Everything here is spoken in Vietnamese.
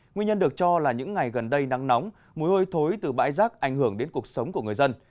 nguyên nhân được cho là những ngày gần đây nắng nóng mùi hôi thối từ bãi rác ảnh hưởng đến cuộc sống của người dân